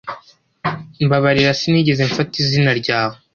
Mbabarira Sinigeze mfata izina ryawe